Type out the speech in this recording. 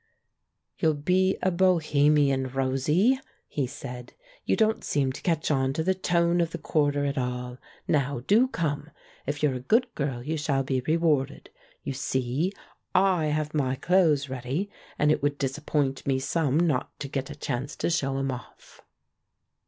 "You'll never be a bohemian, Rosie," he said; *'you don't seem to catch on to the tone of the quarter at all. Now, do come ! If you're a good girl 3^ou shall be rewarded. You see I have my clothes ready, and it would disappoint me some not to get a chance to show 'em off."